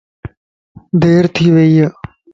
دير ٿي وئي يَ